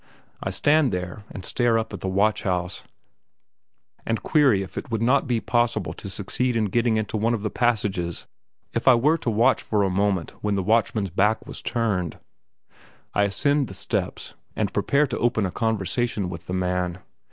I stand there and stare up at the watch house, and query if it would not be possible to succeed in getting into one of the passages if I were to watch for a moment when the watchman's back was turned. I ascend the steps, and prepare to open a conversation with the man.